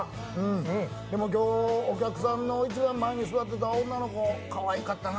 でも今日、お客さんの一番前に座ってた女の子、かわいかったな。